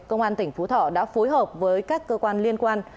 công an tỉnh phú thọ đã phối hợp với các cơ quan liên quan